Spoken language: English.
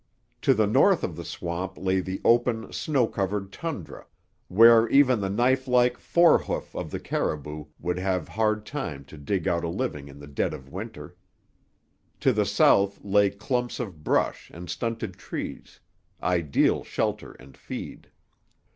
To the north of the swamp lay the open, snow covered tundra, where even the knife like fore hoof of the caribou would have hard time to dig out a living in the dead of Winter. To the south lay clumps of brush and stunted trees, ideal shelter and feed.